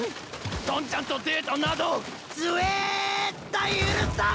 トンちゃんとデートなどずえったい許さん！